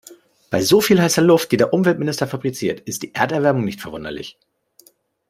Bei so viel heißer Luft, die der Umweltminister fabriziert, ist die Erderwärmung nicht verwunderlich.